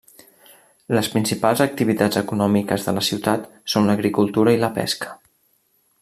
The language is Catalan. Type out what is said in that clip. Les principals activitats econòmiques de la ciutat són l'agricultura i la pesca.